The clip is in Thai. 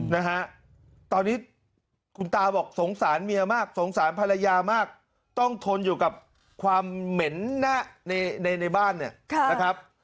นะฮะตอนนี้คุณตาบอกสงสารเมียมากสงสารภรรยามากต้องทนอยู่กับความเหม็นนะในในบ้านเนี่ยนะครับ